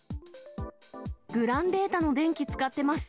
グランデータの電気使ってます。